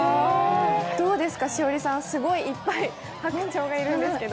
どうですか栞里さん、すごいいっぱい白鳥がいるんですけど？